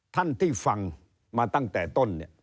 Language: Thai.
ท่านที่ฟังมาตั้งแต่ต้นเนี่ย